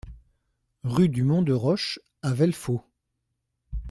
Rue du Mont de Roche à Vellefaux